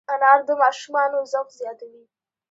انار د ماشومانو ذوق زیاتوي.